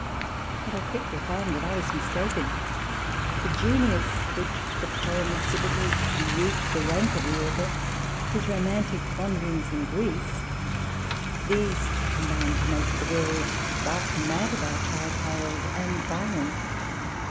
But I quickly found that I was mistaken. The genius which the poem exhibited, the youth, the rank of the author, his romantic wanderings in Greece, these combined to make the world stark mad about " Childe Harold " and Byron.